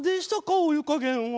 お湯加減は。